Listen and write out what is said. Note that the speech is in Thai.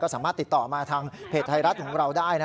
สามารถติดต่อมาทางเพจไทยรัฐของเราได้นะ